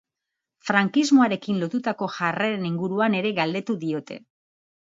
Frankismoarekin lotutako jarreren inguruan ere galdetu diote.